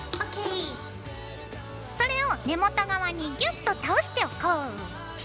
それを根元側にギュッと倒しておこう。